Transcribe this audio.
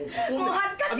もう恥ずかしい！